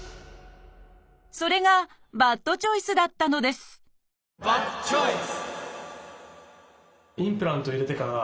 それがバッドチョイスだったのですバッドチョイス！